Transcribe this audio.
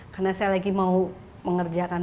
karena saya lagi mau mengerjakan